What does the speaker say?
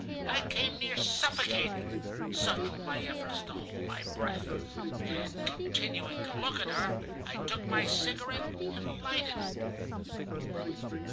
I came near suffocating, such were my efforts to hold my breath, and, continuing to look at her, I took my cigarette, and lighted it.